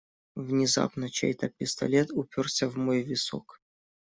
Внезапно чей-то пистолет упёрся в мой висок.